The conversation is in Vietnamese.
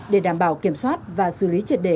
để đảm bảo kiểm soát và xử lý triệt đề